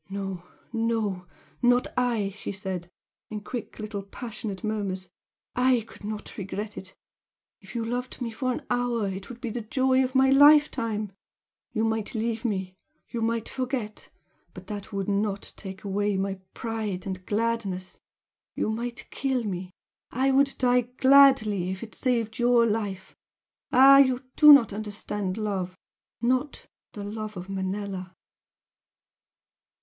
"No, no not I!" she said, in quick little passionate murmurs "I could not regret it! If you loved me for an hour it would be the joy of my life time! You might leave me, you might forget! but that would not take away my pride and gladness! You might kill me I would die gladly if it saved YOUR life! ah, you do not understand love not the love of Manella!"